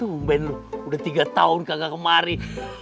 udah tiga tahun gak kemari